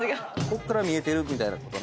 こっから見えてるみたいなこと。